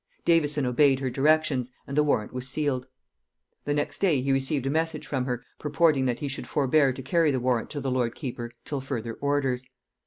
Davison obeyed her directions, and the warrant was sealed. The next day he received a message from her, purporting that he should forbear to carry the warrant to the lord keeper till further orders.